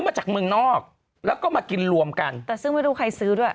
มาจากเมืองนอกแล้วก็มากินรวมกันแต่ซึ่งไม่รู้ใครซื้อด้วย